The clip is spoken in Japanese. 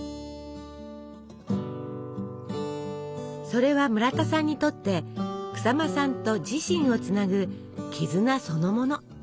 それは村田さんにとって日馬さんと自身をつなぐ絆そのもの。